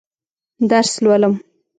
درس لولم.